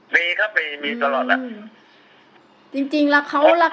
มีครับมีตลอดน่ะ